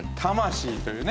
「魂」というね